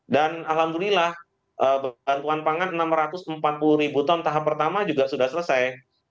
dan alhamdulillah bantuan pangan enam ratus empat puluh ribu ton tahap pertama juga sudah selesai